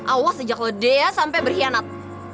awas ajak lo dia sampe berkhianat